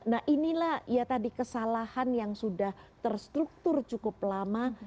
nah inilah kesalahan yang sudah terstruktur cukup lama